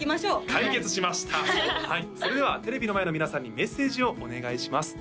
はいそれではテレビの前の皆さんにメッセージをお願いします